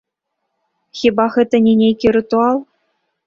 Хіба гэта не нейкі рытуал?